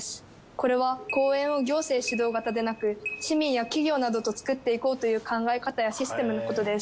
これは公園を行政主導型でなく市民や企業などと創っていこうという考え方やシステムのことです。